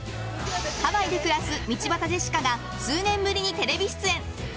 ハワイで暮らす道端ジェシカが数年ぶりにテレビ出演。